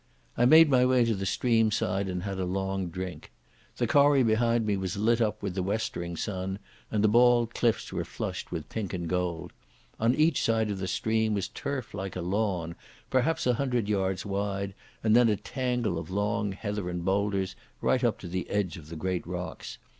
I made my way to the stream side and had a long drink. The corrie behind me was lit up with the westering sun, and the bald cliffs were flushed with pink and gold. On each side of the stream was turf like a lawn, perhaps a hundred yards wide, and then a tangle of long heather and boulders right up to the edge of the great rocks.